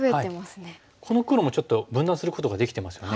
この黒もちょっと分断することができてますよね。